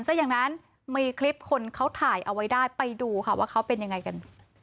ซะอย่างนั้นมีคลิปคนเขาถ่ายเอาไว้ได้ไปดูค่ะว่าเขาเป็นยังไงกัน